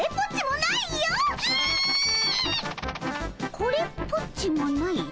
これっぽっちもないとな？